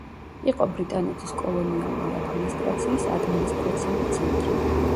იყო ბრიტანეთის კოლონიალური ადმინისტრაციის ადმინისტრაციული ცენტრი.